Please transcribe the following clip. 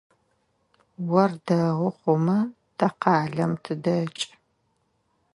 Ор дэгъу хъумэ, тэ къалэм тыдэкӏы.